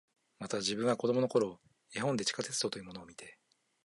また、自分は子供の頃、絵本で地下鉄道というものを見て、